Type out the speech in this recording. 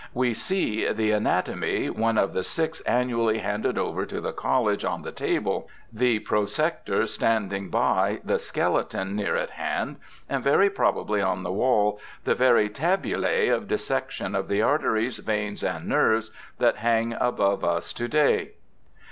We see the 'Anatomy', one of the six an nually handed over to the College, on the table, the prosector standing by the skeleton near at hand, and very probably on the wall the very Tabulae of dissection of the arteries, veins, and nerves that hang above us to da}'.